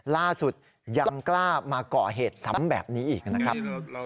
ล่าสุดยังกล้ามาก่อเหตุซ้ำแบบนี้อีกนะครับ